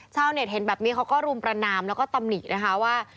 ชาวเน็ตเห็นแบบนี้เขาก็รุมประนามแล้วก็ตำหนินะคะว่า